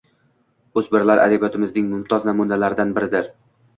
o‘smirlar adabiyotining mumtoz namunalaridan biridir.